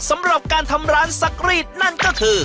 สำหรับการทำร้านซักรีดนั่นก็คือ